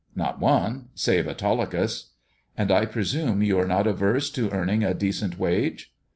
" Not one — save Autolycus." " And I presume you are not averse to earning a decent wage."